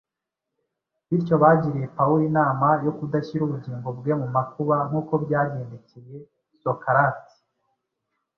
Bityo bagiriye Pawulo inama yo kudashyira ubugingo bwe mu makuba nk’uko byagendekeye Sokarate.